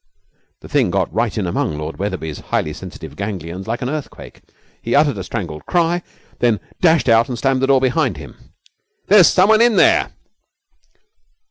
The thing got right in among Lord Wetherby's highly sensitive ganglions like an earthquake. He uttered a strangled cry, then dashed out and slammed the door behind him. 'There's someone in there!'